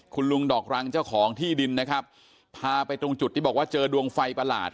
คุณลุงดอกรังเจ้าของที่ดินนะครับพาไปตรงจุดที่บอกว่าเจอดวงไฟประหลาด